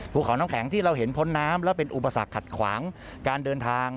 ภูเขาน้ำแข็งที่เราเห็นพ้นน้ำและเป็นอุปสรรคขัดขวางการเดินทาง